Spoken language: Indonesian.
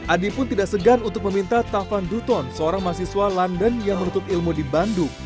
adi pun tidak segan untuk meminta tavan duton seorang mahasiswa london yang menuntut ilmu di bandung